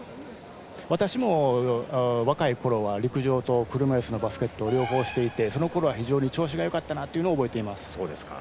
私も若いころは陸上と車いすのバスケットを両方していて、そのころは非常に調子がよかったなというのを覚えています。